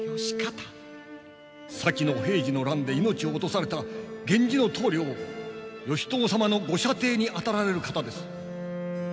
先の平治の乱で命を落とされた源氏の棟梁義朝様のご舎弟にあたられる方です。